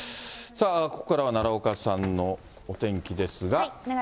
ここからは奈良岡さんのお天気ですが。